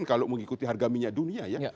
kalau mengikuti harga minyak dunia ya